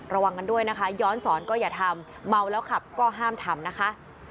ระวังกันด้วยนะคะย้อนสอนก็อย่าทำเมาแล้วขับก็ห้ามทำนะคะ